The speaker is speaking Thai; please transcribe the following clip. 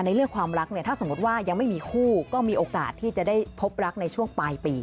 เรื่องความรักเนี่ยถ้าสมมติว่ายังไม่มีคู่ก็มีโอกาสที่จะได้พบรักในช่วงปลายปี